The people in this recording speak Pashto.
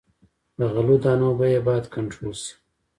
د غلو دانو بیه باید کنټرول شي.